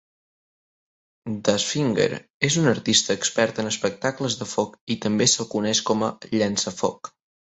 Dustfinger és un artista expert en espectacles de foc i també se'l coneix com a "llançafoc".